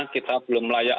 kita belum layak